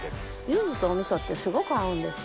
ゆずとおみそってすごく合うんですよ。